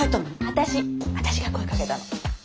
私が声かけたの。